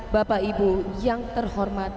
bapak ibu yang terhormat